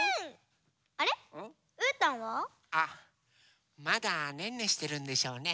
あっまだねんねしてるんでしょうね。